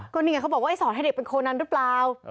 คนเดียวเขาบอกว่าไอ้สอนให้เด็กเป็นโคนันรึเปล่า